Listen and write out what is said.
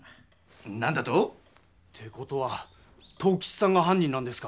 なんだと⁉って事は藤吉さんがはん人なんですか？